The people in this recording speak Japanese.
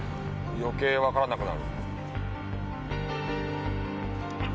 余計わからなくなる。